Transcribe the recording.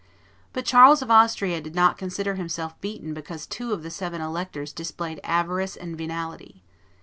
But Charles of Austria did not consider himself beaten because two of the seven electors displayed avarice and venality.